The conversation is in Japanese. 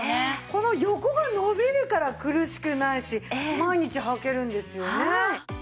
この横が伸びるから苦しくないし毎日はけるんですよね。